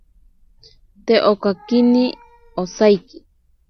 Te okakini osaiki.